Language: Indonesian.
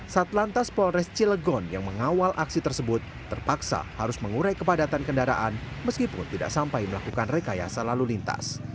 satlantas polres cilegon yang mengawal aksi tersebut terpaksa harus mengurai kepadatan kendaraan meskipun tidak sampai melakukan rekayasa lalu lintas